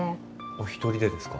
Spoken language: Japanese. お一人でですか？